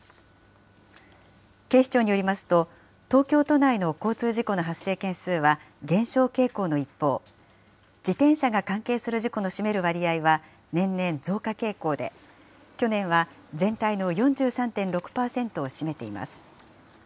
警視庁によりますと、東京都内の交通事故の発生件数は減少傾向の一方、自転車が関係する事故の占める割合は、年々増加傾向で、去年は全体の４３．６％を占めています。